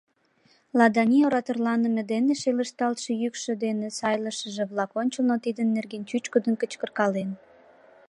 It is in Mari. Ладани ораторланыме дене шелышталтше йӱкшӧ дене сайлышыже-влак ончылно тидын нерген чӱчкыдын кычкыркален.